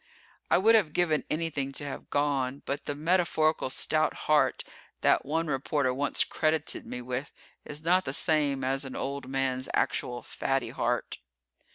I would have given anything to have gone, but the metaphorical stout heart that one reporter once credited me with is not the same as an old man's actual fatty heart.